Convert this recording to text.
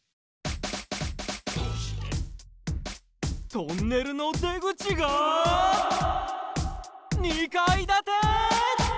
トンネルの出口が２かいだて！？